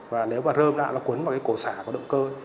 và nếu mà rơm lại nó cuốn vào cổ xả của động cơ